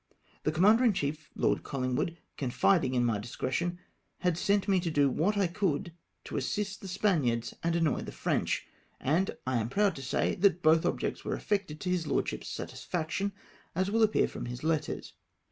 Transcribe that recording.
The commander in chief. Lord CoUingwood — confiding in my discretion — had sent me to do what I could to assist the Spaniards and annoy the French — and I am proud to say that both objects were effected to his lordship's satisfaction, as will appear from his letters.